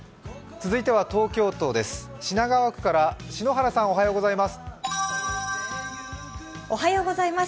続いては東京都です。